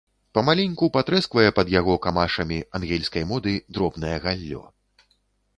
Памаленьку патрэсквае пад яго камашамі, ангельскай моды, дробнае галлё.